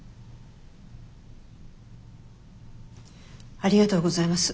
ありがとうございます。